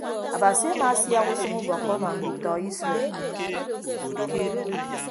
Abasi amaasiak usʌñ ubọkkọ ọnọ nditọ isred.